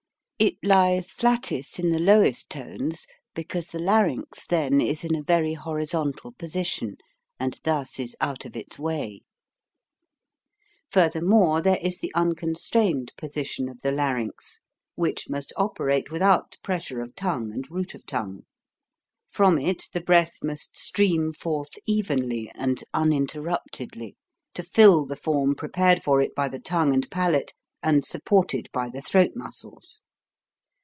It lies flattest in the lowest tones because the larynx then is in a very horizontal position, and thus is out of its way. Furthermore, there is the unconstrained position of the larynx, which must operate without pressure of tongue and root of tongue. From it the breath must stream forth evenly and uninterruptedly, to fill the form prepared for it by the tongue and palate and supported by the throat muscles.